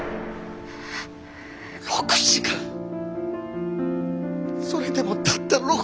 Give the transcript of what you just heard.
６時間それでもたった６時間だけ！